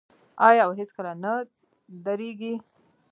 آیا او هیڅکله نه دریږي؟